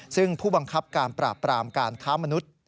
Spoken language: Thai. ซึ่งผู้บังคับการปราบปรามการค้ามนุษย์